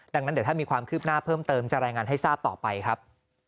ดังนั้นเดี๋ยวถ้ามีความคืบหน้าเพิ่มเติมจะรายงานให้ทราบต่อไปครับ